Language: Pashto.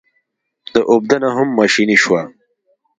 د اوبدنه هم ماشیني شوه.